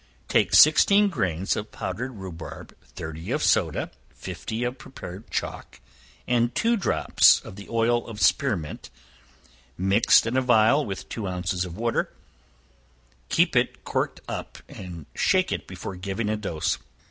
Take sixteen grains of powdered rhubarb, thirty of soda, fifty of prepared chalk, and two drops of the oil of spearmint, mixed in a vial with two ounces of water; keep it corked up and shake it before giving a dose.